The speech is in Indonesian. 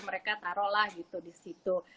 mereka taruh lah gitu di situ